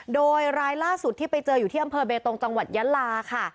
โดยรายล่าสุดที่ไปเจออยู่ที่อำเภอเบตงจังหวัดยะลาค่ะ